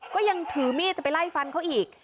ก็ยังถือมีดจะไปไล่ฟันเขาอีก